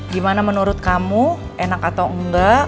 gimana menurut kamu enak atau enggak